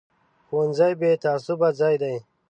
ښوونځی بې تعصبه ځای دی